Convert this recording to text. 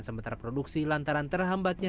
sementara produksi lantaran terhambatnya